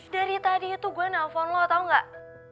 dari tadi itu gue nelfon lo tau gak